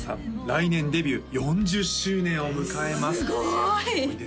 来年デビュー４０周年を迎えますすごい！